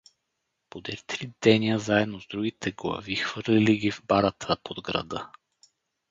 Подир три деня заедно с другите глави хвърлили ги в барата под града.